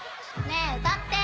ねぇ歌って。